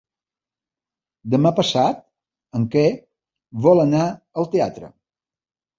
Demà passat en Quer vol anar al teatre.